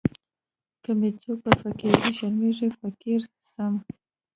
که می څوک په فقیری شمېري فقیر سم.